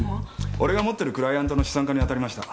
俺が持ってるクライアントの資産家に当たりました。